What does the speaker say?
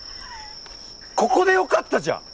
ここでよかったじゃん！